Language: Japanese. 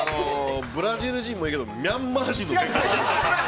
◆ブラジル人もいいけど、ミャンマー人のやつも。